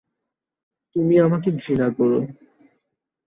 তুমি আমাকে ঘৃণা করো।